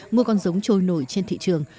mua con giống trôi nổi trên thị trường